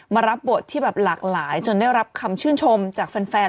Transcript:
รับบทที่แบบหลากหลายจนได้รับคำชื่นชมจากแฟน